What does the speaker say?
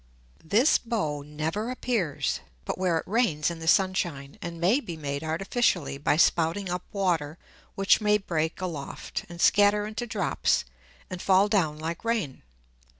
_ [Illustration: FIG. 14.] This Bow never appears, but where it rains in the Sun shine, and may be made artificially by spouting up Water which may break aloft, and scatter into Drops, and fall down like Rain.